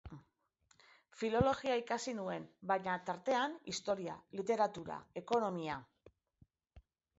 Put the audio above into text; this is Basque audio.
Filologia ikasi nuen, baina, tartean, historia, literatura, ekonomia...